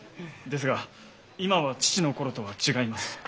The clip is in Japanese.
ですが今は父の頃とは違います。